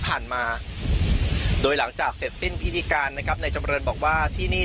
ผ่านมาโดยหลังจากเสร็จสิ้นพิธีการนะครับในจำเรินบอกว่าที่นี่